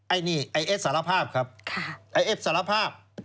ไอ้นี่ไอ้เอฟสารภาพครับไอ้เอฟสารภาพ